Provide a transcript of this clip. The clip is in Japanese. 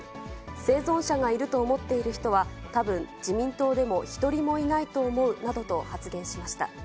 生存者がいると思っている人は、たぶん自民党でも一人もいないと思うなどと発言しました。